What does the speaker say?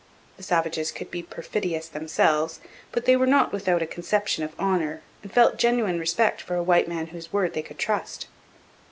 The savages could be perfidious themselves, but they were not without a conception of honour and felt genuine respect for a white man whose word they could trust.